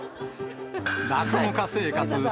落語家生活